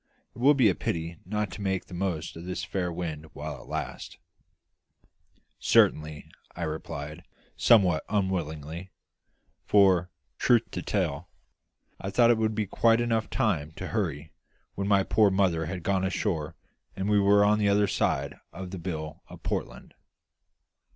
It will be a pity not to make the most of this fair wind while it lasts." "Certainly," I replied, somewhat unwillingly; for, truth to tell, I thought it would be quite time enough to hurry when my poor mother had gone ashore and we were on the other side of the Bill of Portland.